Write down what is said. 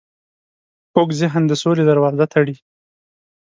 کوږ ذهن د سولې دروازه تړي